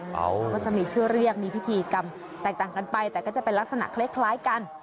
เขาก็จะมีชื่อเรียกมีพิธีกรรมแตกต่างกันไปแต่ก็จะเป็นลักษณะคล้ายกัน